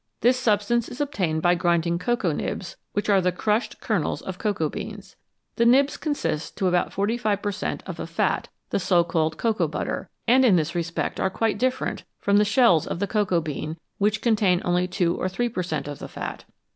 This substance is obtained by grinding cocoa nibs, which are the crushed kernels of cocoa beans. The nibs consist to about 45 per cent, of a fat, the so called cocoa butter, and in this respect are quite different from the shells of the cocoa bean, which contain only 2 to 3 per cent, of the fat.